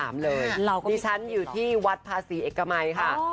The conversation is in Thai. นี่ฉันอยู่ที่วัดภาษีเอกมัยค่ะ